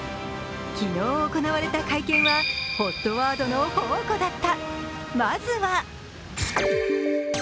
昨日、行われた会見はＨＯＴワードの宝庫だった。